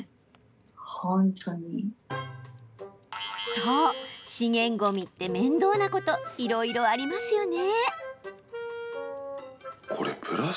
そう、資源ごみって面倒なこといろいろありますよね。